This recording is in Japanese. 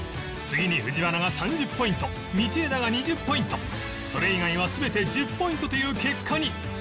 次に藤原が３０ポイント道枝が２０ポイントそれ以外は全て１０ポイントという結果に